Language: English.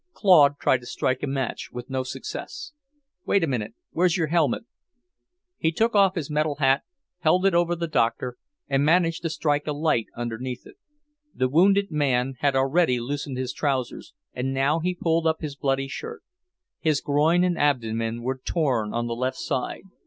Claude tried to strike a match, with no success. "Wait a minute, where's your helmet?" He took off his metal hat, held it over the doctor, and managed to strike a light underneath it. The wounded man had already loosened his trousers, and now he pulled up his bloody shirt. His groin and abdomen were torn on the left side.